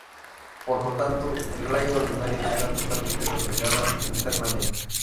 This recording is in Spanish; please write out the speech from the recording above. Por lo tanto el rayo ordinario será totalmente reflejada internamente.